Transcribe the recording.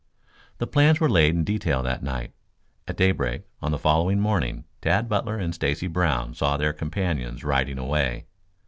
The plans were laid in detail that night. At daybreak on the following morning Tad Butler and Stacy Brown saw their companions riding away.